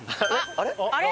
あれ？